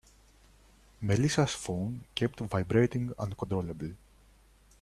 Melissa's phone kept vibrating uncontrollably.